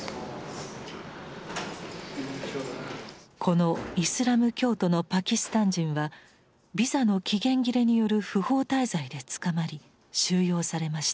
このイスラム教徒のパキスタン人はビザの期限切れによる不法滞在で捕まり収容されました。